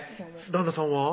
旦那さんは？